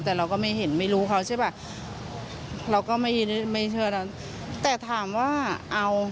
แต่เราก็ไม่เห็นไม่รู้เขาใช่ป่ะเราก็ไม่ไม่เชื่อนั้นแต่ถามว่าเอา